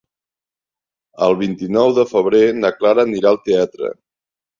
El vint-i-nou de febrer na Clara anirà al teatre.